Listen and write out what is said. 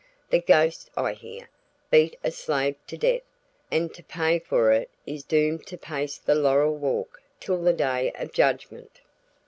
The ghost, I hear, beat a slave to death, and to pay for it is doomed to pace the laurel walk till the day of judgment."